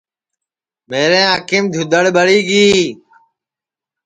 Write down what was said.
میرے انکھیم دھودؔڑ ٻڑی گی